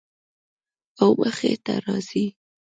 او مخې ته راځي